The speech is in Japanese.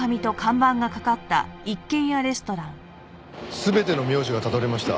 全ての名字がたどれました。